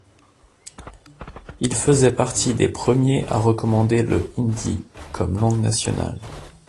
Il faisait partie des premiers à recommander le hindi comme langue nationale.